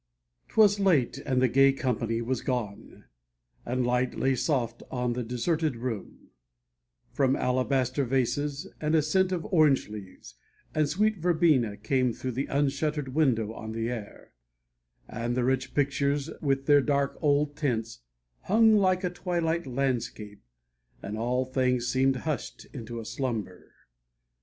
'Twas late, and the gay company was gone, And light lay soft on the deserted room From alabaster vases, and a scent Of orange leaves, and sweet verbena came Through the unshutter'd window on the air, And the rich pictures with their dark old tints Hung like a twilight landscape, and all things Seem'd hush'd into a slumber.